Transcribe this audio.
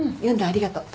ありがとう。